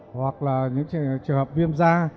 hoặc là những trường hợp viêm da